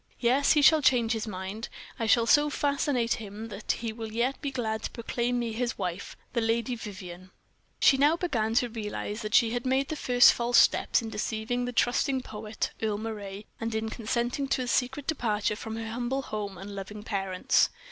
Yes, he shall change his mind. I shall so fascinate him that he will yet be glad to proclaim me his wife, the Lady Vivianne." She now began to realize that she had made the first false steps in deceiving the trusting poet, Earle Moray, and in consenting to a secret departure from her humble home and loving parents.